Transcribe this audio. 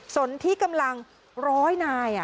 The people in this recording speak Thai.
สนที่กำลังร้อยนาย